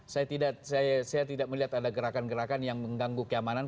saya tidak melihat ada gerakan gerakan yang mengganggu keamanan